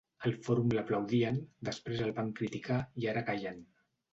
Al Fòrum l'aplaudien, després el van criticar i ara callen.